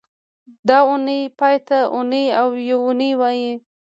د اونۍ پای ته اونۍ او یونۍ وایي